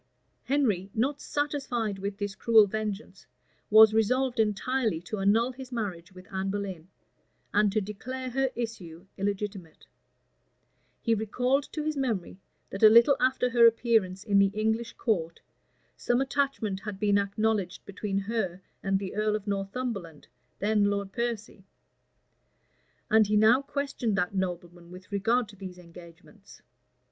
Henry, not satisfied with this cruel vengeance, was resolved entirely to annul his marriage with Anne Boleyn, and to declare her issue illegitimate: he recalled to his memory, that a little after her appearance in the English court, some attachment had been acknowledged between her and the earl of Northumberland, then Lord Piercy; and he now questioned that nobleman with regard to these engagements.